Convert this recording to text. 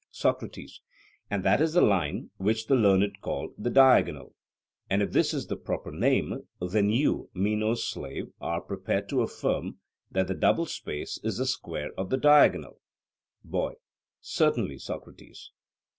SOCRATES: And that is the line which the learned call the diagonal. And if this is the proper name, then you, Meno's slave, are prepared to affirm that the double space is the square of the diagonal? BOY: Certainly, Socrates.